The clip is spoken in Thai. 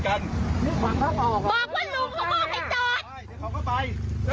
ก็เดี๋ยวกูเข้าไปไงไปตายไปรีบไป